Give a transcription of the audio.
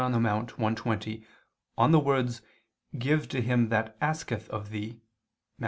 in Monte i, 20) on the words, "Give to him that asketh of thee" (Matt.